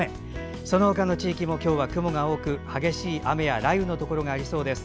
その他の地域も雲が多く激しい雨や雷雨のところがありそうです。